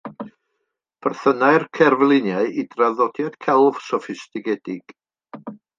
Perthynai'r cerfluniau i draddodiad celf soffistigedig.